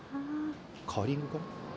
カーリング？